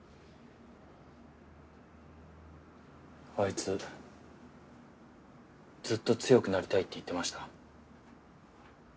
あいつずっと強くなりたいって言ってました。